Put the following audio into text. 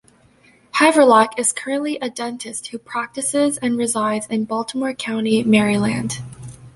Havrilak is currently a dentist who practices and resides in Baltimore County, Maryland.